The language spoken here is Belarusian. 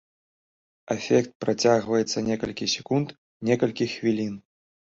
Афект працягваецца некалькі секунд, некалькі хвілін.